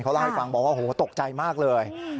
เล่าให้ฟังบอกว่าโหตกใจมากเลย